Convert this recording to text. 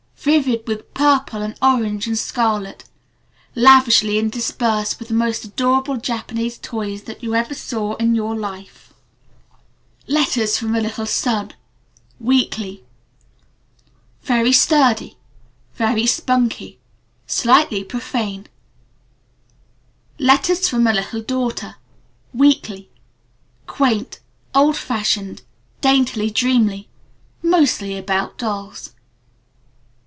Vivid with purple and orange and scarlet. Lavishly interspersed with the most adorable Japanese toys that you ever saw in your life.) Letters from a little Son. (Very sturdy. Very Weekly. spunky. Slightly profane.) Letters from a Little Daughter. (Quaint. Old Fashioned. Weekly. Daintily Dreamy. Mostly about Dolls.)